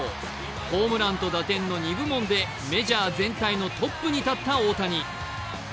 ホームランと打点の２部門でメジャー全体のトップに立った大谷。